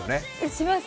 します！